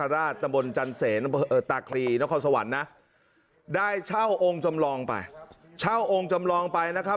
ได้เช่าองค์จำลองไปเช่าองค์จำลองไปนะครับ